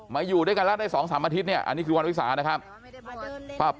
อยู่ด้วยกันแล้วได้๒๓อาทิตย์เนี่ยอันนี้คือวันวิสานะครับ